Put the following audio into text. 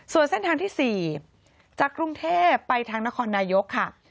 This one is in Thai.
ส่วนเส้นทางที่๔จากกรุงเทพไปทางนครนายกค่ะ